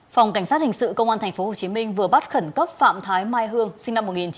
phòng cảnh sát hình sự công an tp hcm vừa bắt khẩn cấp phạm thái mai hương sinh năm một nghìn chín trăm tám mươi